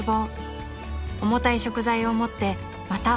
［重たい食材を持ってまた１階へ］